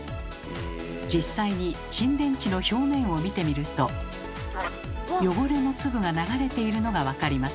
実際に沈殿池の表面を見てみると汚れの粒が流れているのが分かります。